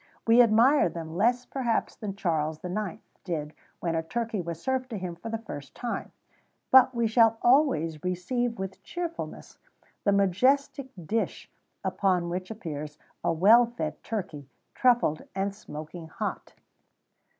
We admire them less perhaps than Charles IX. did when a turkey was served to him for the first time,[XVII 112] but we shall always receive with cheerfulness the majestic dish upon which appears a well fed turkey, truffled, and smoking hot.